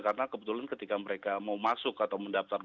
karena kebetulan ketika mereka mau mati mereka tidak bisa menangkap orang lain